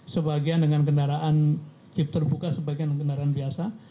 sebagian dengan kendaraan chip terbuka sebagian dengan kendaraan biasa